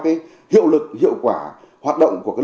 cái hiệu lực hiệu quả hoạt động của các